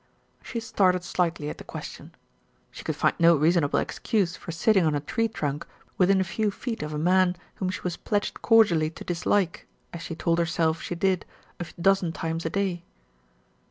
She started slightly at the question. She could find no reasonable excuse for sitting on a tree trunk within a few feet of a man whom she was pledged cordially to dislike, as she told herself she did a dozen times a day.